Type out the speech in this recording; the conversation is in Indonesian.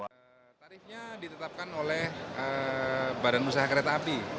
tarifnya ditetapkan oleh badan usaha kereta api